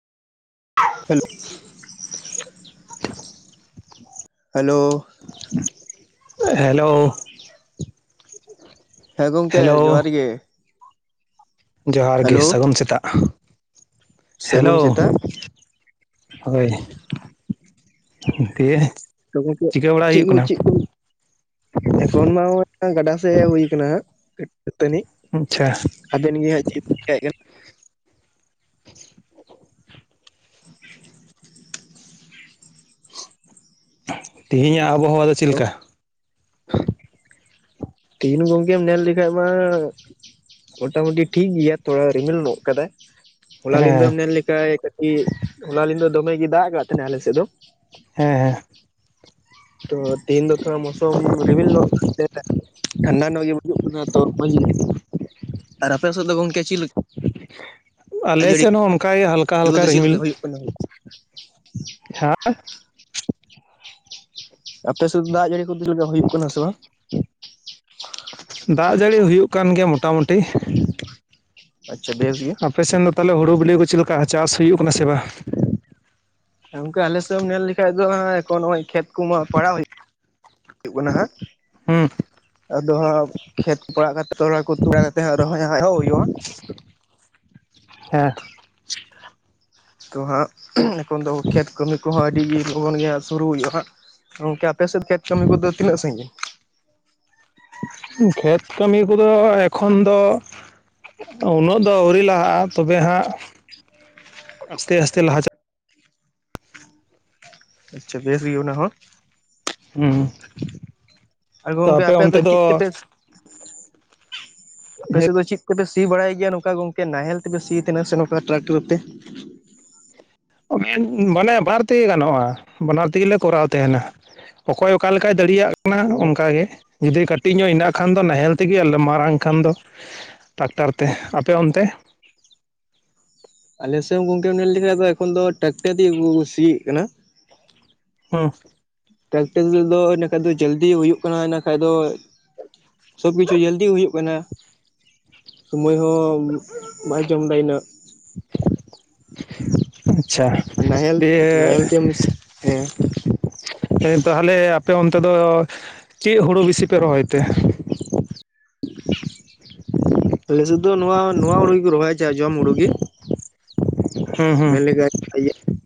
Hello. Hello. ᱦᱮᱸ ᱜᱚᱝᱠᱮ hello ᱡᱚᱸᱦᱟᱨ ᱜᱮ᱾ ᱡᱚᱸᱦᱟᱨ ᱜᱮ ᱦᱮᱞᱳ ᱥᱟᱹᱜᱩᱱ ᱥᱮᱛᱟᱜ᱾ ᱥᱟᱹᱜᱩᱱ ᱦᱮᱞᱳ ᱥᱮᱛᱟᱜ ᱦᱳᱭ ᱫᱤᱭᱮ ᱛᱚ ᱜᱚᱝᱠᱮ ᱪᱤᱠᱟᱹ ᱵᱟᱲᱟᱭ ᱪᱮᱜ ᱦᱩᱭᱩᱜ ᱠᱩ ᱠᱟᱱᱟ ᱪᱮᱜ ᱠᱩ ᱮᱠᱷᱚᱱ ᱢᱟ ᱦᱚᱜᱚᱭ ᱜᱟᱰᱟ ᱥᱮᱡ ᱦᱮᱡ ᱦᱩᱭ ᱠᱟᱱᱟ᱾ ᱫᱟᱹᱛᱟᱹᱱᱤ ᱟᱪᱪᱷᱟ [unintelligible] ᱪᱮᱜᱠᱟᱭ ᱠᱟᱱᱟ? [inaudible] ᱛᱮᱦᱤᱧᱟᱜ ᱟᱵᱚᱦᱟᱣᱟ ᱫᱚ ᱪᱮᱜ ᱞᱤᱠᱟ? ᱛᱮᱦᱤᱱ ᱜᱚᱝᱠᱮᱢ ᱧᱮᱞ ᱞᱮᱠᱷᱟᱡ ᱢᱟ ᱢᱳᱴᱟ ᱢᱩᱴᱤ ᱴᱷᱤᱠ ᱜᱤᱭᱟ ᱛᱷᱚᱲᱟ ᱨᱤᱢᱤᱞ ᱧᱚᱜ ᱠᱟᱫᱟᱭ᱾ ᱦᱚᱞᱟ ᱦᱮᱸ ᱞᱤᱫᱟᱹᱢ ᱱᱮᱞ ᱞᱮᱠᱷᱟᱡ ᱠᱟᱹᱴᱤᱡ ᱦᱚᱞᱟ ᱞᱤᱸᱫᱟᱹ ᱫᱚᱢᱮ ᱜᱤ ᱫᱟᱜ ᱠᱟᱫ ᱛᱟᱦᱮᱸᱱᱟ ᱟᱞᱮ ᱥᱮᱜ ᱫᱚ᱾ ᱦᱮᱸ, ᱦᱮᱸ᱾ ᱛᱚ ᱛᱤᱦᱮᱧ ᱫᱚ ᱛᱷᱚᱲᱟ ᱢᱳᱥᱚᱢ ᱨᱤᱢᱤᱞ ᱧᱚᱜ ᱴᱷᱟᱱᱰᱟ ᱱᱚᱜ ᱜᱮ ᱵᱩᱡᱩᱜ ᱠᱟᱱᱟ ᱛᱚ ᱢᱚᱸᱡᱽ ᱜᱮ, ᱟᱨ ᱟᱯᱮ ᱥᱮᱫ ᱫᱚ ᱜᱚᱝᱠᱮ ᱪᱮᱫ ᱞᱮᱠᱟ? ᱫᱟᱜ ᱟᱞᱮ ᱡᱟᱹᱲᱤ ᱥᱮᱫ ᱦᱚᱸ ᱚᱱᱠᱟ ᱜᱮ ᱦᱟᱞᱠᱟ ᱦᱟᱞᱠᱟ ᱠᱚᱫᱚ ᱪᱮᱫ ᱨᱤᱢᱤᱞ ᱞᱮᱠᱟ ᱦᱩᱭᱩᱜ ᱠᱟᱱᱟ ᱦᱟᱸ ᱟᱯᱮ ᱥᱮᱫ ᱫᱟᱜ ᱡᱟᱹᱲᱤ ᱠᱚ ᱦᱩᱭᱩᱜ ᱠᱟᱱᱟ ᱥᱮ ᱵᱟᱝ? ᱫᱟᱜ ᱡᱟᱹᱲᱤ ᱦᱩᱭᱩᱜ ᱠᱟᱱ ᱜᱮᱭᱟ ᱢᱚᱴᱟᱢᱩᱴᱤ᱾ ᱟᱪᱪᱷᱟ ᱵᱮᱥ ᱜᱮ ᱟᱯᱮ ᱥᱮᱱ ᱫᱚ ᱛᱟᱞᱮ ᱦᱩᱲᱩ ᱵᱤᱞᱤ ᱠᱚ ᱪᱮᱫ ᱞᱮᱠᱟ ᱪᱟᱥ ᱦᱩᱭᱩᱜ ᱠᱟᱱᱟ ᱥᱮ ᱵᱟᱝ? ᱮ ᱜᱚᱝᱠᱮ ᱟᱞᱮ ᱥᱮᱫ ᱮᱢ ᱧᱮᱞ ᱞᱮᱠᱷᱟᱱ ᱫᱚ ᱮ ᱱᱚᱜᱚᱭ ᱠᱷᱮᱛ ᱠᱚᱢᱟ ᱯᱟᱲᱟᱣ ᱦᱩᱭᱩᱜ ᱠᱟᱱᱟ ᱦᱟᱸᱜ ᱦᱩᱸ ᱟᱫᱚ ᱦᱟᱜ ᱠᱷᱮᱛ ᱯᱟᱲᱟᱜ ᱠᱟᱛᱮ ᱱᱤᱭᱟᱹ ᱠᱚ ᱛᱩᱫ ᱵᱟᱲᱟ ᱠᱟᱛᱮᱜ ᱦᱟᱜ ᱨᱚᱦᱚᱭ ᱦᱟᱜ ᱮᱦᱚᱵ ᱦᱩᱭᱩᱜᱼᱟ᱾ ᱦᱮ ᱛᱚ ᱦᱟᱸᱜ ᱮᱠᱷᱚᱱ ᱫᱚ ᱠᱷᱮᱛ ᱠᱟᱹᱢᱤ ᱠᱚᱦᱚᱸ ᱟᱹᱰᱤᱜᱮ ᱞᱚᱜᱚᱱ ᱜᱮᱭᱟ ᱥᱩᱨᱩ ᱦᱩᱭᱩᱜᱼᱟ ᱦᱟᱸᱜ ᱜᱚᱝᱠᱮ ᱟᱯᱮᱥᱮᱫ ᱠᱷᱮᱛ ᱠᱟᱹᱢᱤ ᱠᱚᱫᱚ ᱛᱤᱱᱟᱹᱜ ᱥᱟᱺᱜᱤᱧ? ᱠᱷᱮᱛ ᱠᱟᱹᱢᱤ ᱠᱚᱫᱚ ᱮᱠᱷᱚᱱ ᱫᱚ ᱩᱱᱟᱹᱜ ᱫᱚ ᱟᱹᱣᱨᱤ ᱞᱟᱦᱟᱜᱼᱟ ᱛᱚᱵᱮ ᱦᱟᱸᱜ ᱟᱥᱛᱮ ᱟᱥᱛᱮ ᱞᱟᱦᱟ ᱪᱟᱞ ᱟᱪᱷᱟ ᱵᱮᱥ ᱜᱮ ᱚᱱᱟ ᱦᱚᱸ ᱦᱩᱸ ᱟᱨ ᱛᱚ ᱜᱚᱝᱠᱮ ᱟᱯᱮ ᱚᱱᱛᱮ ᱫᱚ ᱪᱮᱫ ᱛᱮᱯᱮ ᱟᱯᱮ ᱥᱮᱫ ᱫᱚ ᱪᱮᱫ ᱛᱮᱯᱮ ᱥᱤ ᱵᱟᱲᱟᱭ ᱜᱮᱭᱟ ᱱᱚᱝᱠᱟ ᱜᱚᱝᱠᱮ ᱱᱟᱦᱮᱞ ᱛᱮᱯᱮ ᱥᱤᱭ ᱛᱟᱦᱮᱱᱟ ᱥᱮ ᱱᱚᱝᱠᱟ ᱴᱨᱟᱠᱴᱚᱨ ᱛᱮ? ᱢᱟᱱᱮ ᱵᱟᱨ ᱛᱮᱜᱮ ᱜᱟᱱᱚᱜᱼᱟ ᱵᱟᱱᱟᱨ ᱛᱮᱜᱮᱞᱮ ᱠᱚᱨᱟᱣ ᱛᱟᱦᱮᱱᱟ ᱚᱠᱚᱭ ᱚᱠᱟ ᱞᱮᱠᱟᱭ ᱫᱟᱲᱮᱭᱟᱜ ᱚᱱᱟ ᱚᱱᱠᱟ ᱜᱮ ᱡᱩᱫᱤ ᱠᱟᱹᱴᱤᱡ ᱧᱚᱜ ᱦᱮᱱᱟᱜ ᱠᱷᱟᱱ ᱫᱚ ᱱᱟᱦᱮᱞ ᱛᱮᱜᱮ ᱟᱨ ᱢᱟᱨᱟᱝ ᱠᱷᱟᱱ ᱫᱚ ᱴᱟᱠᱴᱟᱨᱛᱮ ᱟᱯᱮ ᱚᱱᱛᱮ? ᱟᱞᱮᱥᱮᱫ ᱜᱚᱝᱠᱮᱢ ᱚᱱᱮ ᱞᱮᱭᱠᱮᱫ ᱮᱠᱷᱚᱱ ᱫᱚ ᱴᱨᱟᱠᱴᱟᱨ ᱫᱮᱜᱮ ᱠᱚ ᱥᱤᱭᱮᱜ ᱠᱟᱱᱟ ᱦᱩᱸ ᱴᱨᱟᱠᱴᱟᱨ ᱛᱮᱫᱚ ᱤᱱᱟᱹ ᱠᱷᱟᱱᱡ ᱫᱚ ᱡᱚᱞᱫᱤ ᱦᱩᱭᱩᱜ ᱠᱟᱱᱟ ᱤᱱᱟᱹ ᱠᱷᱟᱡ ᱫᱚ ᱥᱚᱵ ᱠᱤᱪᱷᱩ ᱡᱚᱞᱫᱤ ᱦᱩᱭᱩᱜ ᱠᱟᱱᱟ ᱥᱳᱢᱳᱭ ᱦᱚᱸ ᱵᱟᱭ ᱡᱚᱢ ᱮᱫᱟ ᱤᱱᱟᱹᱜ [unintelligible] ᱟᱪᱪᱷᱟ ᱟᱨ ᱱᱟᱦᱮᱞ ᱫᱤᱭᱮ ᱱᱟᱦᱮᱞ ᱛᱮᱢ ᱦᱮᱸ ᱦᱮᱸ ᱛᱟᱦᱚᱞᱮ ᱟᱯᱮ ᱚᱱᱛᱮ ᱫᱚ ᱪᱮᱫ ᱦᱩᱲᱩ ᱵᱮᱥᱤ ᱯᱮ ᱨᱚᱦᱚᱭ ᱛᱮ? ᱥᱩᱫᱩ ᱱᱚᱣᱟ ᱱᱚᱣᱟ ᱦᱩᱲᱩ ᱜᱮᱠᱚ ᱨᱚᱦᱚᱭᱪᱚ ᱡᱚᱢ ᱦᱩᱲᱩ ᱜᱮ ᱦᱩᱸ ᱦᱩᱸ ᱢᱮᱱ ᱞᱮᱜᱟᱭ